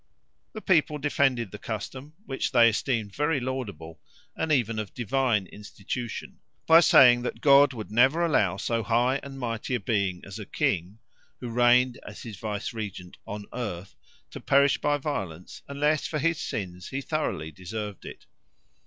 The people defended the custom, which they esteemed very laudable and even of divine institution, by saying that God would never allow so high and mighty a being as a king, who reigned as his vicegerent on earth, to perish by violence unless for his sins he thoroughly deserved it.